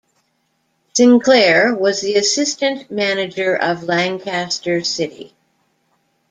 Sinclair was the assistant manager of Lancaster City.